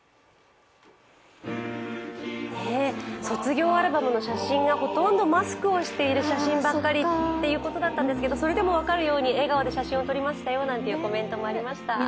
卒業アルバムの写真がほとんどマスクをしてる写真ばかりだったということなんですがそれでも分かるように笑顔で写真を撮りましたよなんてコメントもありました。